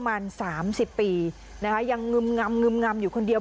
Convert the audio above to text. บางตอนก็มีอาการเกลี้ยวกราษต่อว่าพระต่อว่าชาวบ้านที่มายืนล้อมอยู่แบบนี้ค่ะ